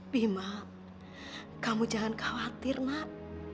bima kamu jangan khawatir nak